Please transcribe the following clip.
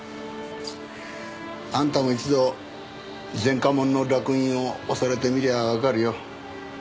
あんたも一度前科者の烙印を押されてみりゃわかるよ。